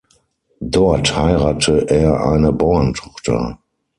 Dort heirate er eine Bauerntochter.